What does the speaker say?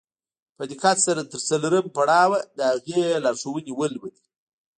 په دقت سره تر څلورم پړاوه د هغې لارښوونې ولولئ.